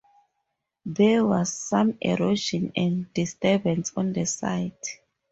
There was some erosion and disturbance on the site.